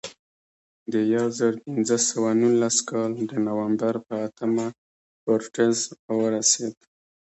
د یو زرو پینځه سوه نولس کال د نومبر په اتمه کورټز راورسېد.